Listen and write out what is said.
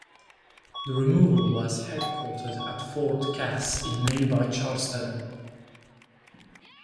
The removal was headquartered at Fort Cass in nearby Charleston.